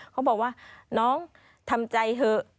เขาบอกว่าน้องทำใจเถอะ